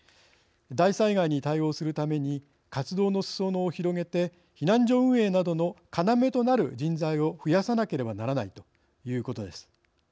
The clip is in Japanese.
大災害に対応するために活動のすそ野を広げて避難所運営などの要となる人材を増やさなければならないということです。